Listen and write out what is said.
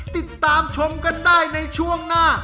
ติดตามชมกันได้ในช่วงหน้า